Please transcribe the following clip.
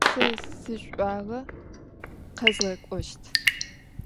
Se siş'uağe khezğek'oşt.